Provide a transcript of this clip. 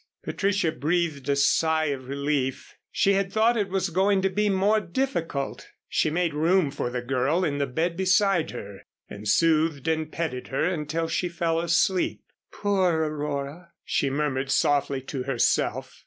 Patricia breathed a sigh of relief. She had thought it was going to be more difficult. She made room for the girl in the bed beside her and soothed and petted her until she fell asleep. "Poor Aurora," she murmured softly to herself.